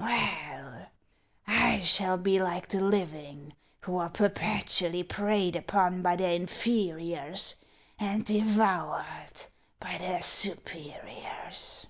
""Well, I shall be like the living, who are perpetually preyed upon by their inferiors and devoured by their superiors."